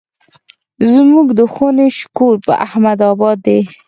زموږ د خونې شکور په احمد اباد دی.